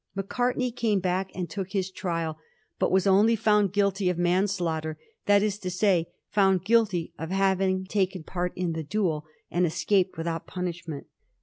Macartney came back and took his trial, but was only found guilty of manslaughter, that is to say, found guilty of having taken part in the duel, :and escaped without punishment.